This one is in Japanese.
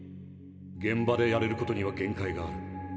現場でやれることには限界がある。